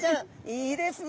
いいですね。